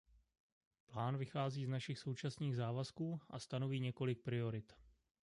Plán vychází z našich současných závazků a stanoví několik priorit.